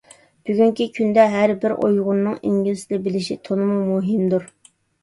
بۈگۈنكى كۈندە ھەر بىر ئۇيغۇرنىڭ ئىنگلىز تىلى بىلىشى تولىمۇ مۇھىمدۇر.